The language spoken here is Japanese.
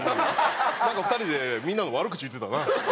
なんか２人でみんなの悪口言うてたな。